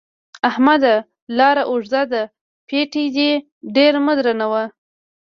احمده! لاره اوږده ده؛ پېټی دې ډېر مه درنوه.